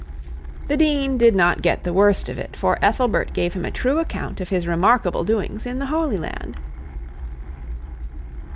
The dean did not get the worst of it, for Ethelbert gave him a true account of his remarkable doings in the Holy Land.